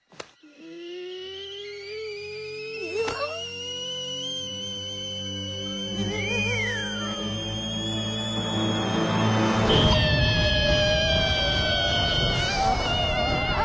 うわ！